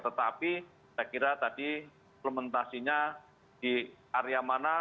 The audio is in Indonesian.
tetapi saya kira tadi implementasinya di area mana